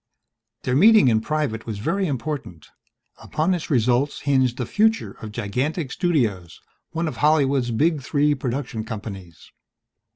Their meeting in private was very important. Upon its results hinged the future of Gigantic Studios, one of Hollywood's big three production companies.